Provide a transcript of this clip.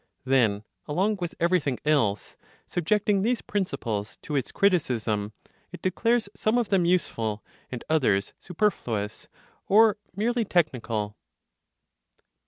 Then, along with everything else, subjecting these principles to its criticism, it declares some of them useful, and others superfluous, or merely technical.